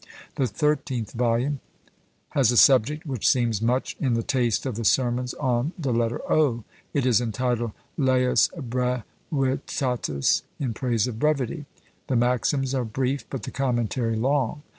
The thirteenth volume has a subject which seems much in the taste of the sermons on the letter O! it is entitled Laus Brevitatis! in praise of brevity. The maxims are brief, but the commentary long.